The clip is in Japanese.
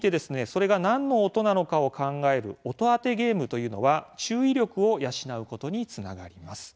それが何の音なのかを考える音当てゲームというのは注意力を養うことにつながります。